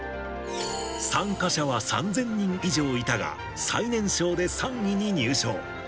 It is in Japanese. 参加者は３０００人以上いたが、最年少で３位に入賞。